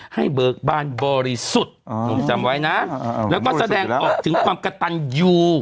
เบิกบานบริสุทธิ์หนุ่มจำไว้นะแล้วก็แสดงออกถึงความกระตันยู